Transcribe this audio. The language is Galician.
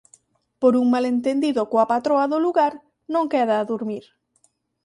Por un malentendido coa patroa do lugar non queda a durmir.